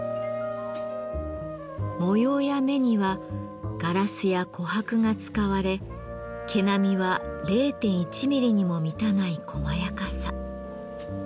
模様や目にはガラスや琥珀が使われ毛並みは０．１ミリにも満たないこまやかさ。